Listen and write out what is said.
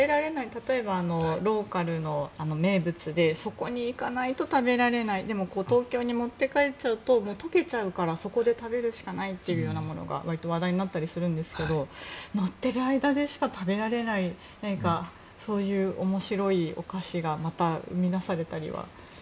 例えば、ローカルの名物でそこに行かないと食べられないでも東京に持って帰るともう溶けちゃうからそこで食べるしかないものが割と話題になってたりするんですが乗ってる間しか食べられない何かそういう面白いお菓子がまた生み出されたりは？